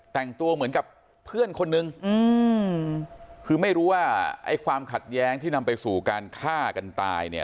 แต่งตัวเหมือนกับเพื่อนคนนึงคือไม่รู้ว่าไอ้ความขัดแย้งที่นำไปสู่การฆ่ากันตายเนี่ย